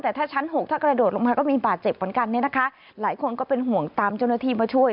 แต่ถ้าชั้นหกถ้ากระโดดลงมาก็มีบาดเจ็บเหมือนกันเนี่ยนะคะหลายคนก็เป็นห่วงตามเจ้าหน้าที่มาช่วย